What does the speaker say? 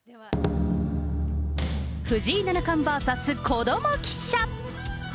藤井七冠ＶＳこども記者。